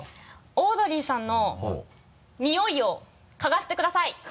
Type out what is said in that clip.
オードリーさんのニオイを嗅がせてください！